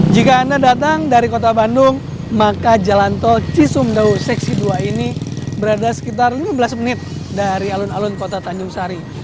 jika anda datang dari kota bandung maka jalan tol cisumdawu seksi dua ini berada sekitar lima belas menit dari alun alun kota tanjung sari